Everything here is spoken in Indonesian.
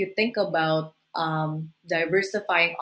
dan jika anda berpikir tentang